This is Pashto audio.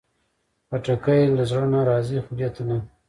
خټکی له زړه نه راځي، خولې ته نه.